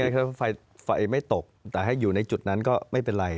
ถ้าไฟไม่ตกแต่ให้อยู่ในจุดนั้นก็ไม่เป็นไร